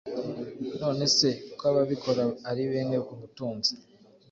nonese ko ababikora ari bene ubutunzi